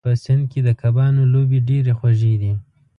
په سیند کې د کبانو لوبې ډېرې خوږې دي.